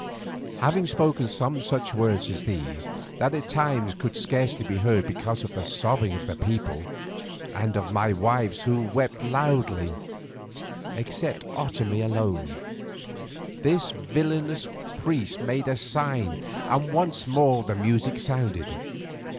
Having spoken some such words as these, that at times could scarcely be heard because of the sobbing of the people, and of my wives who wept loudly, except Otomie alone, this villainous priest made a sign and once more the music sounded.